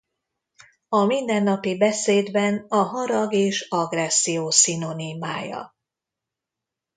A mindennapi beszédben a harag és agresszió szinonimája.